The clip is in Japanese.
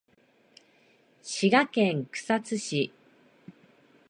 滋賀県草津市